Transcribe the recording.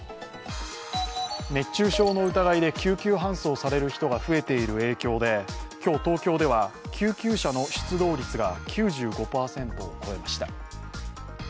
熱中症の疑いで救急搬送される人が増えている影響で今日、東京では救急車の出動率が９５％を超えました。